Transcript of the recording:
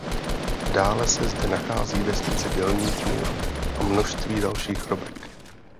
Dále se zde nachází vesnice dělníků a množství dalších hrobek.